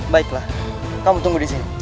baiklah kamu tunggu disini